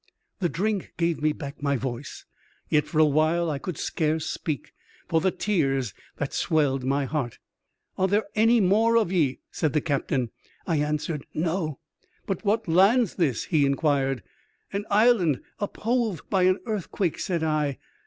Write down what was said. The drink gave me back my voice ; yet for a while I could scarce speak, for the tears that swelled my heart. " Are there any more of ye ?" said the captain. I answered, " No." " But what land's this ?" he inquired. "An island uphove by an earthquake," said I.